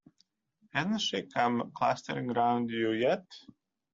Hasn't she come clustering round you yet?